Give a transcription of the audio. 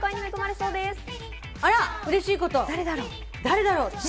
あらうれしいこと、誰だろう？